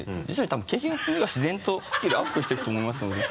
多分経験を積めば自然とスキルアップしていくと思いますので。